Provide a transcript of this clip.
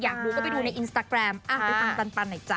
อยากรู้ก็ไปดูในอ่าไปชัยปันปันหน่อยจ๊ะ